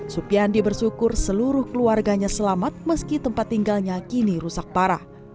supiandi bersyukur seluruh keluarganya selamat meski tempat tinggalnya kini rusak parah